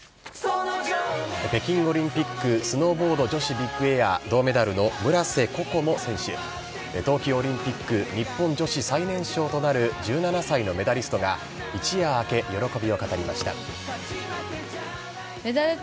北京オリンピックスノーボード女子ビッグエア銅メダルの村瀬心椛選手、冬季オリンピック日本女子最年少となる１７歳のメダリストが、一夜明け、喜びを語りました。